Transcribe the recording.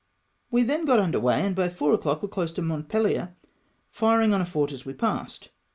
We then got under weigh, and by 4 o'clock were close to Montpeher, firhig on a fort as we passed.